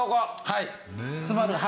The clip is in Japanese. はい。